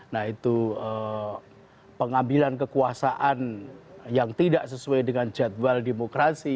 nah itu pengambilan kekuasaan yang tidak sesuai dengan jadwal demokrasi